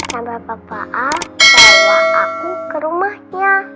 sampai papa al bawa aku ke rumahnya